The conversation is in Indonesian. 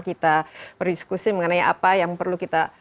kita berdiskusi mengenai apa yang perlu kita